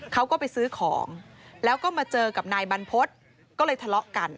เขาก็ไปซื้อของแล้วก็มาเจอกับนายบรรพฤษก็เลยทะเลาะกัน